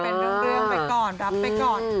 เป็นเรื่องไปก่อนรับไปก่อน